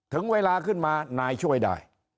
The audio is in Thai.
ถึงเวลาขึ้นมานายช่วยได้